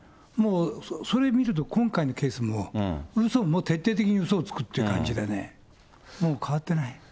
もうそれ見ると、今回のケースも、うそも徹底的にうそをつくっていう感じでね、もう変わってない。